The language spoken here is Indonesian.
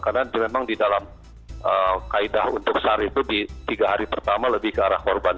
karena memang di dalam kaedah untuk sar itu di tiga hari pertama lebih ke arah korban